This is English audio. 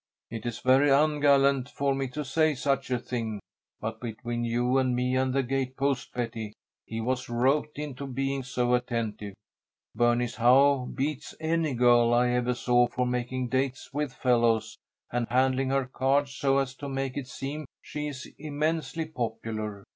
"It is very ungallant for me to say such a thing, but between you and me and the gate post, Betty, he was roped into being so attentive. Bernice Howe beats any girl I ever saw for making dates with fellows, and handling her cards so as to make it seem she is immensely popular.